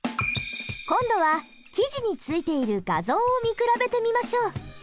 今度は記事についている画像を見比べてみましょう。